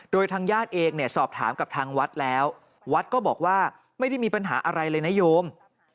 โดยทางญาติเองเนี่ยสอบถามกับทางวัดแล้ววัดก็บอกว่าไม่ได้มีปัญหาอะไรเลยนะโยม